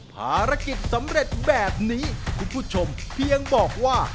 ภารกิจสำเร็จแบบนี้คุณผู้ชมเพียงบอกว่า